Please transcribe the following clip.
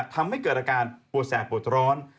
ทำให้เกิดอาการปวดแสบปวดร้อน